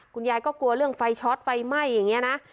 คุณยายก็กลัวเรื่องไฟช็อตไฟไหม้อย่างนี้นะ